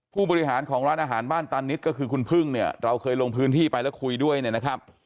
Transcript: ผู้บริหารของร้านอาหารบ้านตานิดก็คือคุณพึ่งเนี่ยเราเคยลงพื้นที่ไปแล้วคุยด้วยเนี่ยนะครับ